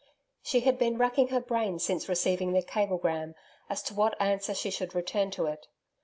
She had been racking her brain since receiving the cablegram as to what answer she should return to it.